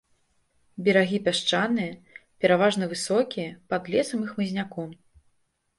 Берагі пясчаныя, пераважна высокія, пад лесам і хмызняком.